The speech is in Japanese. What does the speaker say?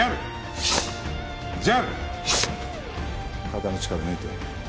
肩の力抜いて。